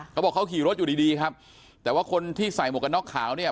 เขาบอกเขาขี่รถอยู่ดีดีครับแต่ว่าคนที่ใส่หมวกกันน็อกขาวเนี่ย